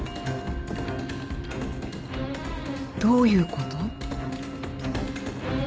どういうこと？